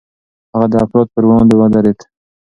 هغه د افراط پر وړاندې ودرېد.